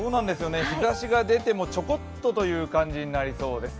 日ざしが出ても、ちょこっとという感じになりそうです。